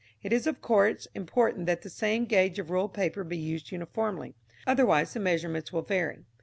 It is of course important that the same gauge of ruled paper be used uniformly, otherwise the measurements will vary.